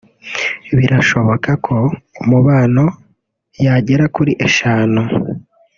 birashonoka ko Umubano yagera kuri eshanu